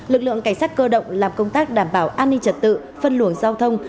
lực lượng cảnh sát cơ động làm công tác đảm bảo an ninh trật tự phân luồng giao thông